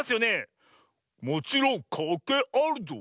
「もちろんかんけいあるゾウ。